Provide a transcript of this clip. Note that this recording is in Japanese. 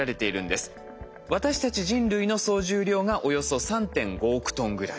私たち人類の総重量がおよそ３．５億トンぐらい。